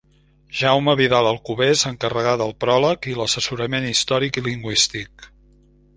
Jaume Vidal Alcover s'encarregà del pròleg i l'assessorament històric i lingüístic.